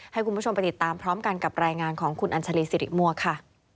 ให้คุณผู้ชมไปติดตามพร้อมกันกับรายงานของคุณอัญชาลีสิริมัวค่ะ